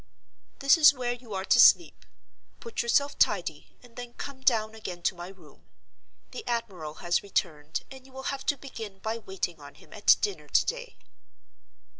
"This is where you are to sleep. Put yourself tidy, and then come down again to my room. The admiral has returned, and you will have to begin by waiting on him at dinner to day."